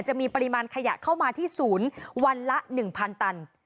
จะมีปริมาณขยะเข้ามาที่ศูนย์วันละ๑๐๐ตัน